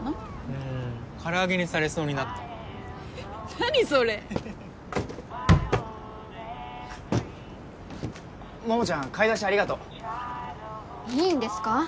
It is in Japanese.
ううんうん唐揚げにされそうになった何それ桃ちゃん買い出しありがとういいんですか？